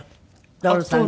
徹さんが。